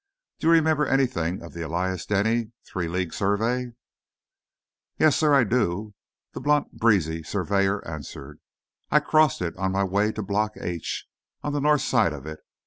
Do you remember anything of the Elias Denny three league survey?" "Yes, sir, I do," the blunt, breezy, surveyor answered. "I crossed it on my way to Block H, on the north side of it.